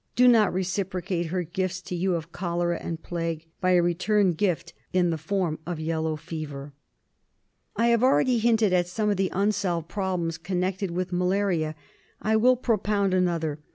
Do not reciprocate her gifts to you of cholera and plague by a return gift in the form of yellow fever. I have already hinted at some of the unsolved prob lems connected with malaria; I will propound another.